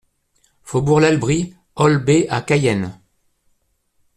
Faubourg l'Abri All B à Cayenne